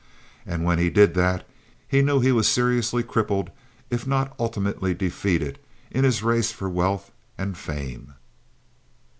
And when he did that, he knew he was seriously crippled if not ultimately defeated in his race for wealth and fame.